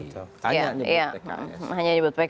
hanya menyebut pks